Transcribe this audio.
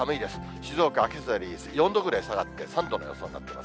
静岡はけさより４度ぐらい下がって３度の予想になってます。